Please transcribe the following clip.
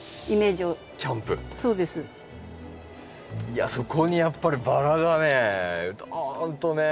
いやそこにやっぱりバラがねドーンとね。